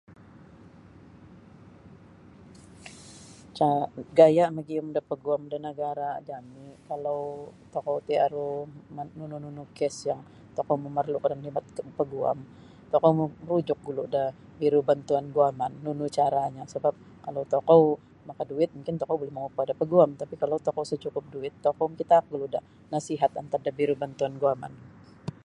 Ca gaya' magiyum da paguam da nagara' jami' kalau tokou ti aru na nunu-nunu kes yang tokou momorlu'kan khidmat paguam tokou rujuk gulu' da' Biro Bantuan Guaman nunu caranyo sabap kalau tokou makaduit mungkin tokou buli mangupah da paguam tapi' kalau tokou sa cukup duit tokou mikitaak gulu' da nasihat antad da Biro Bantuan Guaman.